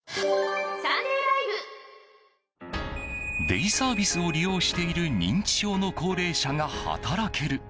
デイサービスを利用している認知症の高齢者が働ける。